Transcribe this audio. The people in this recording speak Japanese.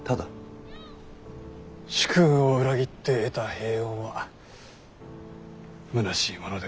主君を裏切って得た平穏はむなしいものでございますな。